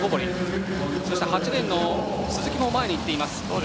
そして８レーンの鈴木も前にいっています。